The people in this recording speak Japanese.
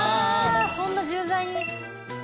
そんな重罪に。